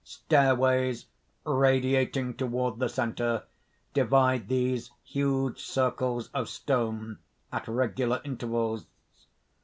Stairways radiating toward the centre, divide these huge circles of stone at regular intervals.